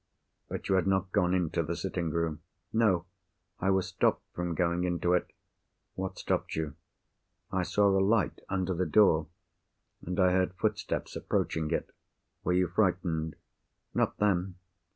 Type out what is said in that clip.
"But you had not gone into the sitting room?" "No—I was stopped from going into it." "What stopped you? "I saw a light, under the door; and I heard footsteps approaching it." "Were you frightened?" "Not then.